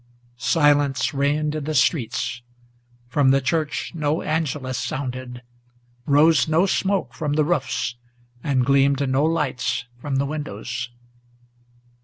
Silence reigned in the streets; from the church no Angelus sounded, Rose no smoke from the roofs, and gleamed no lights from the windows.